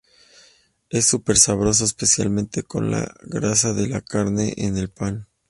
Es súper sabroso especialmente con la grasa de la carne en el pan.